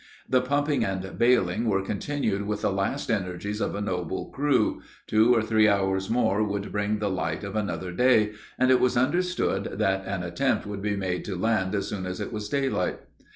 The pumping and bailing were continued with the last energies of a noble crew two or three hours more would bring the light of another day, and it was understood that an attempt would be made to land as soon as it was daylight.